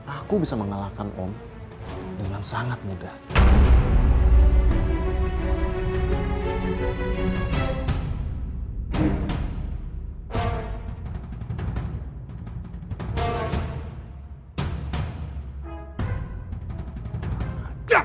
aku bisa mengalahkan om dengan sangat mudah